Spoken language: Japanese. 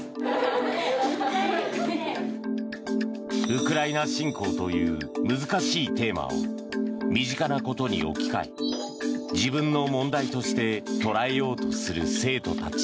ウクライナ侵攻という難しいテーマを身近なことに置き換え自分の問題として捉えようとする生徒たち。